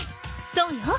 そうよ。